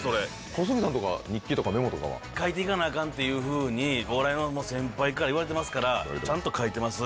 小杉さんとか、日記とかメモ書いていかなあかんっていうふうにお笑いの先輩から言われてますから、ちゃんと書いてます。